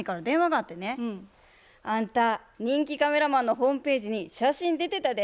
「あんた人気カメラマンのホームページに写真出てたで。